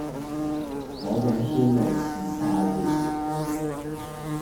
嗰種酸味唔太自然